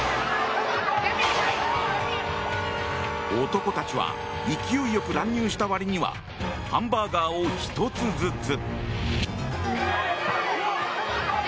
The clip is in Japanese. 男たちは勢いよく乱入した割にはハンバーガーを１つずつ。